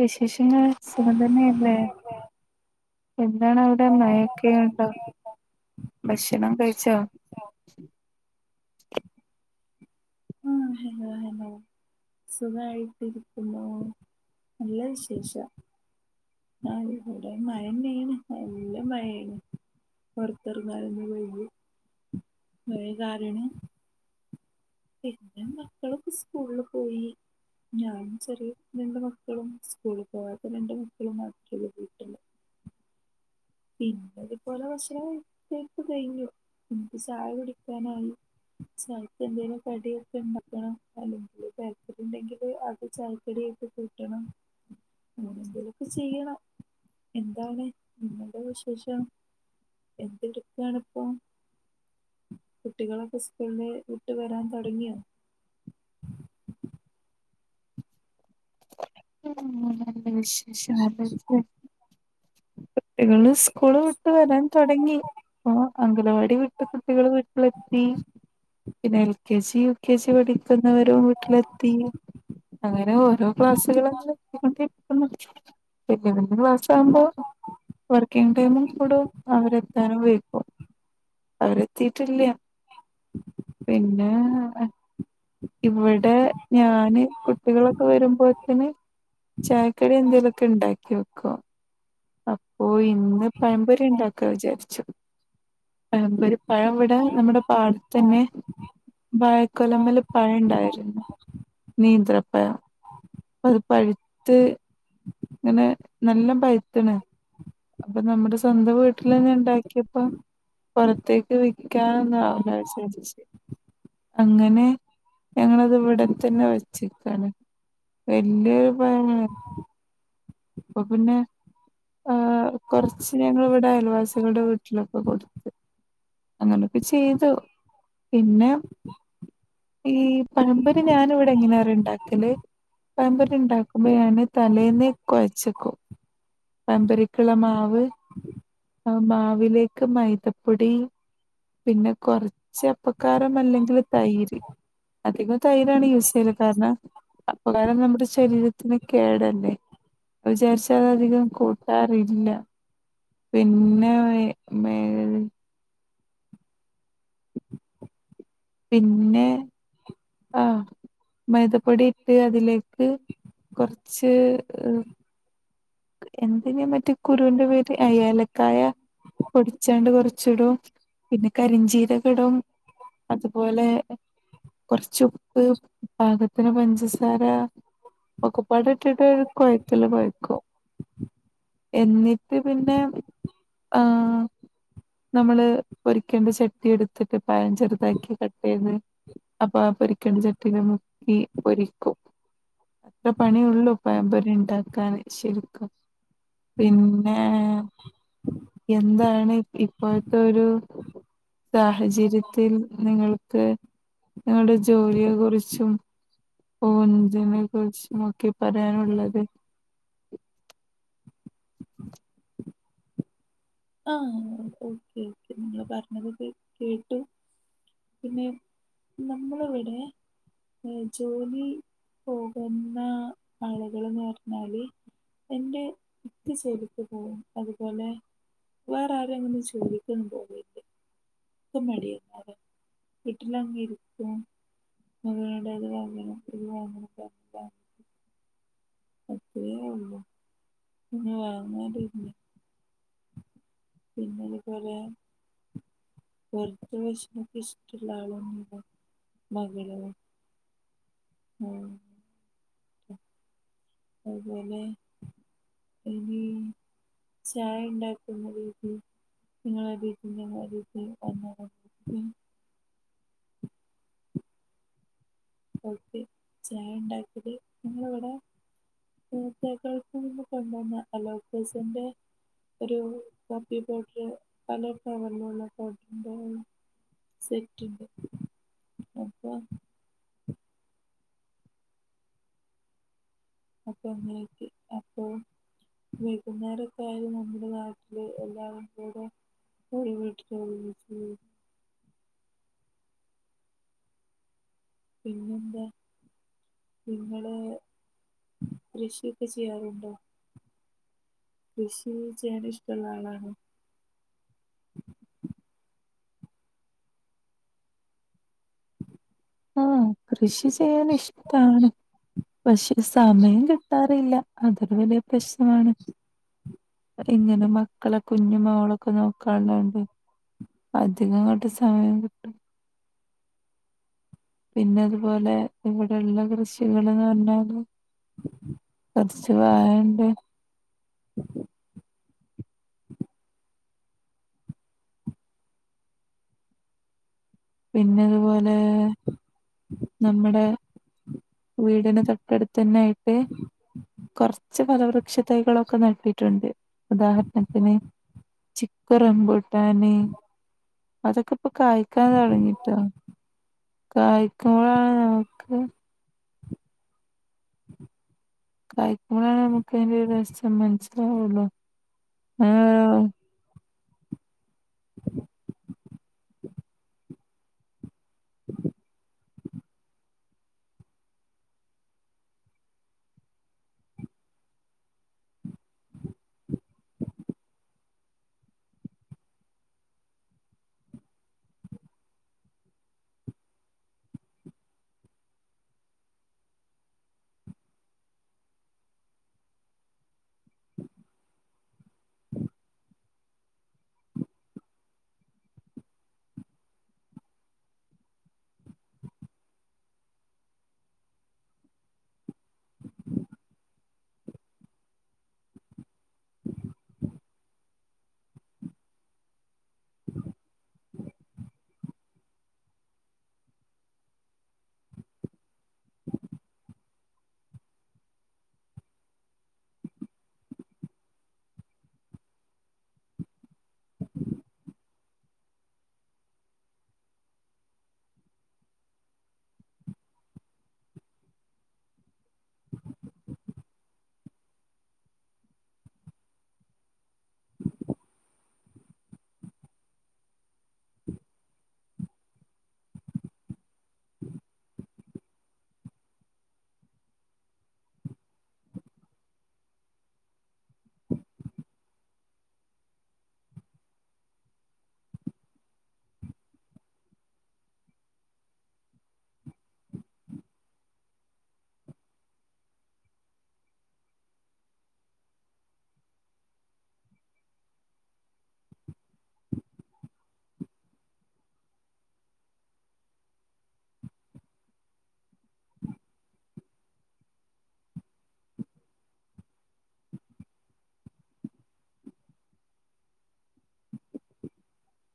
വിശേഷങ്ങൾ സുഖം തന്നെയല്ലേ ആഹ് എന്താണ് അവിടെ മയൊക്കെയുണ്ടോ ഭക്ഷണം കഴിച്ചോ [inaudible] ആഹ് [unintelligible] സുഖായിട്ടിരിക്കുന്നു നല്ല വിശേഷം [unintelligible] വടെ മഴന്നെയെണ് നല്ല മഴയേണ് പൊറത്തറങാൻ [unintelligible] മഴ കാരണം പിന്നെ മക്കളൊക്കെ സ്കൂളിൽ പോയി ഞാനും ചെറിയ രണ്ട് മക്കളും സ്കൂള് പോവാത്ത രണ്ട് മക്കളും മാത്രുള്ളു വീട്ടില് പിന്നെ ഇതുപോലെ ഭക്ഷണം കഴിക്കല് കഴിഞ്ഞു [unintelligible] ക്ക് ചായ കുടിക്കാനായി ചായക്ക് എന്തേലും കടിയൊക്കെ ഉണ്ടാക്കണം അല്ലെങ്കില് [unintelligible] ഉണ്ടെങ്കില് അത് ചായക്കടിയായിട്ട് കൂട്ടണം എന്തേലൊക്കെ ചെയ്യണം. എന്താണ്? ഉം വിശേഷം? എന്തട്ക്കാണ് ഇപ്പം? കുട്ടികളൊക്കെ സ്കൂള്ന്ന് വിട്ട് വരാൻ തൊടങ്ങിയൊ? ഉം നല്ല വിശേഷം [unintelligible] കുട്ടികള് സ്കൂള് വിട്ട് വരാൻ തൊടങ്ങി. ഇപ്പൊ അംഗനവാടി വിട്ട് കുട്ടികള് വീട്ടിലെത്തി. പിന്നെ L K G U K G പഠിക്കുന്നവരും വീട്ടിലെത്തി. അങ്ങനെ ഓരോ ക്ലാസ് കുട്ടികളും എത്തി കൊണ്ടിരിക്കുന്നു. വല്യ വല്യ ക്ലാസ്സാവുമ്പോ വർക്കിംഗ് ടൈമും കൂടും അവരെത്താനും വൈകും. അവരെത്തീറ്റില്ല. പിന്നെ ഇവടെ ഞാന് കുട്ടികളൊക്കെ വരുമ്പോത്തിന് ചായക്കടി എന്തേലൊക്കെ ഇണ്ടാക്കി വെക്കു. അപ്പോ ഇന്ന് പഴംപൊരി ഇണ്ടാക്കാ വിചാരിച്ചു. പഴംപൊരി പഴം ഇവിടെ നമ്മുടെ പാടത്തന്നെ വാഴക്കൊലമ്മല് പഴം ഇണ്ടായിരുന്നു. നീന്ത്രപ്പഴം. ഇപ്പത് പഴ്ത്ത് ഇങ്ങനെ നല്ല പഴ്ത്ത്ണ്. അപ്പ നമ്മുടെ സ്വന്തം വീട്ടിലന്നെ ഇണ്ടാക്കിയപ്പ പൊറത്തേക്ക് വിക്കാന്നാവൂലച്ച് വിചാരിച്ച്. അങ്ങനെ ഞങ്ങളത് ഇവിടെ തന്നെ വെച്ചിക്കാണ്. വല്ല്യൊരു പഴം അപ്പൊ പിന്നെ ഈഹ് കൊറച്ച് ഞങ്ങള് ഇവിടെ അയൽവാസികളുടെ വീട്ടിലൊക്കെ കൊടുത്ത്. അങ്ങനൊക്കെ ചെയ്തു. പിന്നെ ഈ പഴംപൊരി ഞാനിവിടെ എങ്ങനെ അറിയൊ ഇണ്ടാക്കല്? പഴംപൊരി ഇണ്ടാക്കുമ്പൊ ഞാന് തലേന്നെ കൊഴച്ചെക്കും. പഴംപൊരിക്ക്ള്ള മാവ് ആ മാവിലേക്ക് മൈദപ്പൊടി പിന്നെ കൊറച്ച് അപ്പക്കാരം അല്ലെങ്കില് തൈര്. അധികോ തൈരാണ് യൂസ് ചെയ്യല്. കാരണം അപ്പക്കാരം നമ്മുടെ ശരീരത്തിന് കേടല്ലെ. അത് വിചാരിച്ച് അത് അധികം കൂട്ടാറില്ല. പിന്നെ മേ പിന്നെ ആഹ്, മൈദപ്പൊടിയിട്ട് അതിലേക്ക് കൊറച്ച് ഈഹ് എന്തേനു ആ മറ്റേ കുരൂന്റെ പേര്, ആഹ് ഏലക്കായ പൊടിച്ചാണ്ട് കൊറച്ചിടും. പിന്നെ കരിഞ്ചീരകം ഇടും. അതുപോലെ കൊറച്ചുപ്പ് പാകത്തിന് പഞ്ചസാര. ഒക്കെപ്പാടെ ഇട്ടിട്ട് കൊയത്ത്ല് കൊയക്കും. എന്നിട്ട് പിന്നെ ആഹ് നമ്മള് പൊരിക്കേണ്ട ചട്ടി എട്ത്തിട്ട് പയം ചെറ്താക്കി കട്ടെയ്ത് അപ്പൊ ആ പൊരിക്കേണ്ട ചട്ടീല് മുക്കി പൊരിക്കും. അത്ര പണിയേ ഇള്ളൂ. പഴംപൊരി ഇണ്ടാക്കാന് ശരിക്കും. പിന്നേ, എന്താണ് ഇപ്പോ ത്തെ ഒരു സാഹചര്യത്തിൽ നിങ്ങൾക്ക് നിങ്ങൾടെ ജോലിയെ കുറിച്ചും [inaudible] കുറിച്ച് നോക്കെ പറയാനുള്ളത്. ആഹ ഓക്കെ ഓക്കെ ഞാൻ പറഞ്ഞത് കേ കേട്ടു. പിനെ ന്നമ്മളിവടെ. ഏ ജോലി പോകുന്ന ആളുകള്ന്ന് ന്നർഞ്ഞാല്. എന്റെ മിക്ക സുഹൃത്ത് പോകും അതുപോലെ- വേറാരും അങ്ങനെ ജോലിക്കൊന്നും പോവേ - ഒക്ക മടിയ പോകാൻ വീട്ടിലങ്ങിരിക്കും. [inaudible] അപ്പഴേ ഒള്ളു. പിനെ വാങ്ങലുല്ല. പിനിത് പോലെ. പൊർത്ത് ഭക്ഷണൊക്കെ ഇഷ്ട്ടള്ള ആളാണ് മകള് ഓം അത് പോലെ ഇനീ ചായണ്ടാക്കുന്ന രീതീ. നിങ്ങളെ രീതീ [inaudible] ഫുഡ്‌ ചായണ്ടാക്കല് നിങ്ങള് വടെ. പ്രർത്തകൾക്ക് നിന്ന് കൊണ്ടന്ന അലോക്കസിന്റെ. ഒരു കോപ്പി പൗഡർയോ പലോ കലർ ഫ്ലവറിനുള്ള സെറ്റ്ണ്ട് അപ്പൊ അപ്പെൻങ്ങേക്ക് അപ്പൊ വൈകുന്നേരൊക്കെ ആയാല് നമ്മുടെ നാട്ടില് എല്ലാരും കൂടും. ഒരു വിട്ട് ല് ഒരുമിച്ച് കൂടും പിനെന്താ? നിങ്ങള് കൃഷിയൊക്കെ ചെയ്യാറുണ്ടോ? കൃഷി ചെയ്യാൻ ഇഷ്ട്ട്ള്ള ആളാണൊ? ആഹ കൃഷി ചെയ്യാനിഷ്ട്ടാണ്. പക്ഷെ സമയം കിട്ടാറില്ല അതൊരു വലിയ പ്രശ്- ഞാന് ഇങ്ങനെ മക്കളൊക്കെ- കുഞ്ഞു മോളൊക്കെ നോക്കാള്ളോണ്ട് അധികംങ്ങട്ട് സമയം കിട്ട- പിനതുപോലെ ഇവട്ള്ള കൃഷികള്ന്ന് പറഞ്ഞാല്. [unintelligible] കൊറച്ച് വായണ്ട്. പിനതുപോലെ. ന്നമ്മടെ വീടിന് തൊട്ടടുത്തനായ്ട്ട് കൊറച്- ച്ച് ഫലവൃക്ഷതൈകളൊക്കെ നട്ടിട്ടുണ്ട് ഉദാഹരണത്തിന്. ചിക്കു റംബുട്ടാന് അതൊക്കെ ഇപ്പൊ കയ്ക്കാൻ തൊടങ്ങിട്ടൊ. കായ്ക്കുബൊഴാണ് നമുക്ക്- കായ്ക്കുമ്പഴാണ് നമുക്ക് അയ്ന്റെ ഒര് രസം മനസ്സിലാവുള്ളു അ [inaudible] [inaudible] [inaudible] [inaudible] [inaudible] [inaudible] [inaudible] [unintelligible] [inaudible]